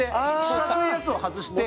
四角いやつを外して。